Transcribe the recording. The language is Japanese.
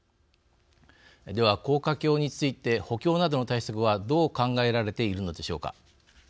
では、高架橋について補強などの対策はどう考えられているのでしょうか。